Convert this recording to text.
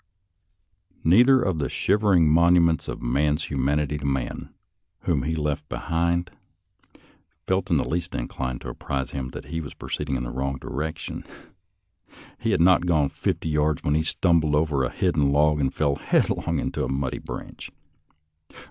Neither of the shivering monuments of man's inhumanity to man whom he left behind felt in the least inclined to apprise him that he was pro ceeding in the wrong direction, and he had not gone fifty yards when he stumbled over a hidden log and fell headlong into a muddy branch.